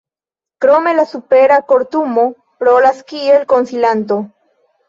Krome la Supera Kortumo rolas kiel konsilanto.